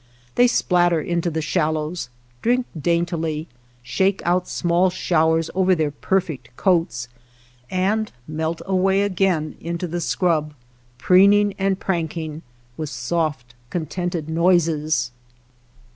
They splat ter into the shallows, drink daintily, shake out small showers over their perfect coats, and melt away again into the scrub, preen ing and pranking, with soft contented noises.